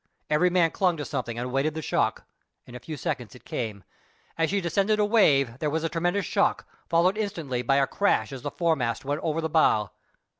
Every man clung to something and awaited the shock. In a few seconds it came. As she descended a wave there was a tremendous shock, followed instantaneously by a crash as the foremast went over the bow.